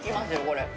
これ。